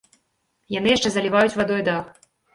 Яны яшчэ заліваюць вадой дах.